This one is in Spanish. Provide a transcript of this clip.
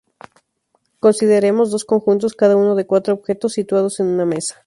Consideremos dos conjuntos cada uno de cuatro objetos situados en una mesa.